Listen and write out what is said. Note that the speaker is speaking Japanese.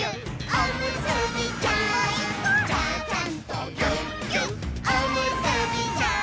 「ちゃちゃんとぎゅっぎゅっおむすびちゃん」